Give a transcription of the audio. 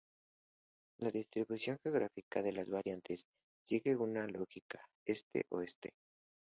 La distribución geográfica de las variantes sigue una lógica este-oeste.